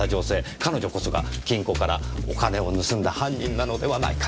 彼女こそが金庫からお金を盗んだ犯人なのではないかと。